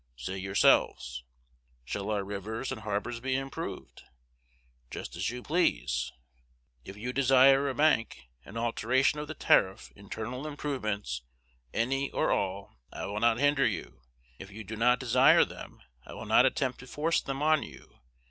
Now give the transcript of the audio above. "Say yourselves." "Shall our rivers and harbors be improved?" "Just as you please." "If you desire a bank, an alteration of the tariff, internal improvements, any or all, I will not hinder you: if you do not desire them, I will not attempt to force them on you.